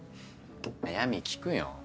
悩み聞くよ。